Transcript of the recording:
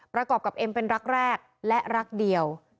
ประกอบกับเอ็มเป็นรักแรกและรักเดียว